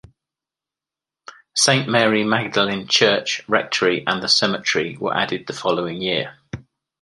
Saint Mary Magdalen Church, Rectory, and the Cemetery were added the following year.